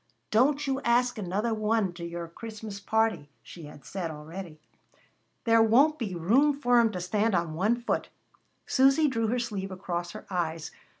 "Don't you ask another one to your Christmas party," she had said already. "There won't be room for 'em to stand on one foot." Susy drew her sleeve across her eyes.